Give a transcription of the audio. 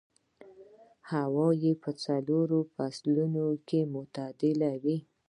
هوا يې په څلورو فصلونو کې معتدله وي.